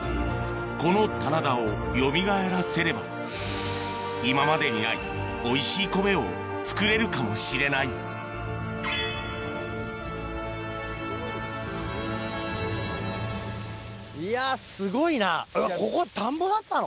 この棚田をよみがえらせれば今までにないかもしれないいやすごいなここ田んぼだったの？